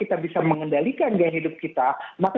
kita bisa mengendalikan gaya hidup kita bisa mengendalikan gaya hidup